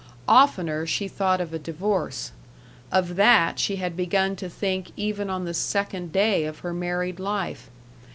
Oftener she thought of a divorce. Of that she had begun to think even on the second day of her married life.